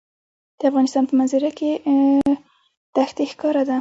د افغانستان په منظره کې ښتې ښکاره ده.